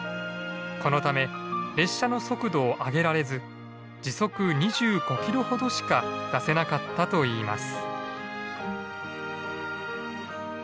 このため列車の速度を上げられず時速２５キロほどしか出せなかったといいます。